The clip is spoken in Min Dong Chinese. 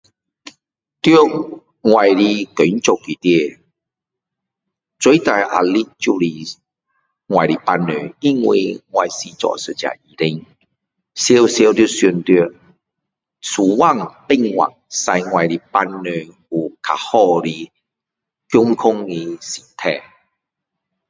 在我的工作里面，最大的压力就是我的病人。因为我是做一名医生。常常在想到，什么办法让病人有更好的健康的身体。